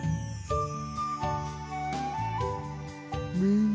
うん！